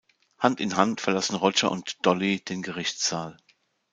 Hand in Hand verlassen Roger und Dolly den Gerichtssaal.